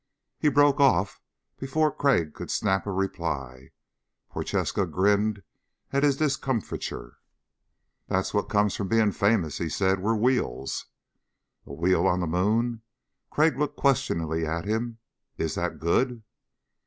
He broke off before Crag could snap a reply. Prochaska grinned at his discomfiture. "That's what comes of being famous," he said. "We're wheels." "A wheel on the moon." Crag looked questioningly at him. "Is that good?"